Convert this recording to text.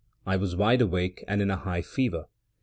I was wide awake, and in a high fever.